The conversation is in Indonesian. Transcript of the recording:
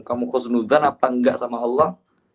kamu khusnudan apa enggak sama allah